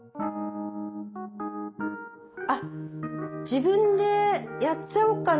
あっ自分でやっちゃおうかな。